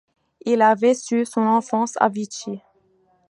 Il a vécu son enfance à Vichy.